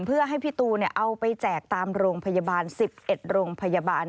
เพื่อให้พี่ตูนเอาไปแจกตามโรงพยาบาล๑๑โรงพยาบาล